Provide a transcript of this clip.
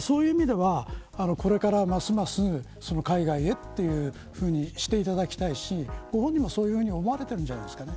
そういう意味ではこれから、ますます海外へ、というふうにしていただきたいしご本人もそういうふうに思われているんじゃないですかね。